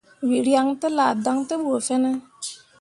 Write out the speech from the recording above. Wǝ ryaŋ tellah dan te ɓu fine ?